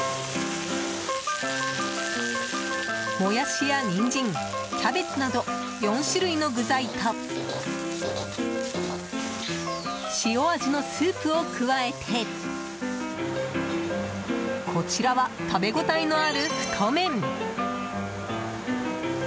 モヤシやニンジン、キャベツなど４種類の具材と塩味のスープを加えてこちらは、食べ応えのある太麺。